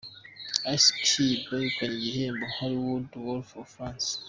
Ice Cube wegukanye igihembo ‘Hollywood Walk of Fame'.